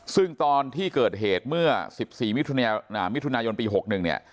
ซึ่งตอนที่เกิดเหตุเมื่อสิบสี่มิถุนายนปีหกหนึ่งเนี่ย